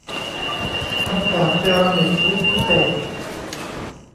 ทำจากเซรามิคชนิดพิเศษ